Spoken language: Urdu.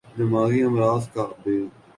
دماغی امراض کا ب